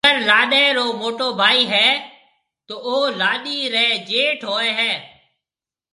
اگر لاڏيَ رو موٽو ڀائي هيَ تو او لاڏيِ ريَ جيٺ هوئي هيَ۔